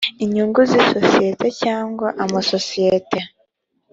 nyungu z isosiyete cyangwa amasosiyete